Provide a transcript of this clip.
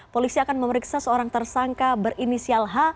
polisi akan memeriksa seorang tersangka berinisial h